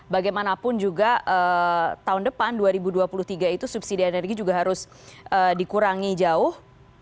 bagaimanapun juga tahun depan dua ribu dua puluh tiga itu subsidi energi juga harus dikurangi jauh